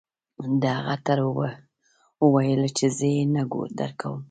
د هغه تره وويل چې زه يې نه درکوم.